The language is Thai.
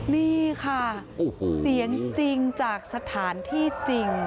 นี่ค่ะเสียงจริงจากสถานที่จริง